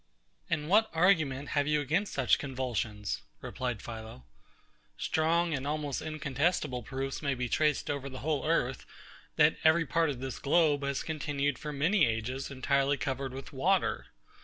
And what argument have you against such convulsions? replied PHILO. Strong and almost incontestable proofs may be traced over the whole earth, that every part of this globe has continued for many ages entirely covered with water.